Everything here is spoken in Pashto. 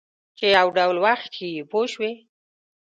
چې یو ډول وخت ښیي پوه شوې!.